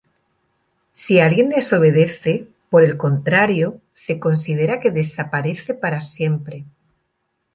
Si alguien desobedece, por el contrario, se considera que "desaparece para siempre".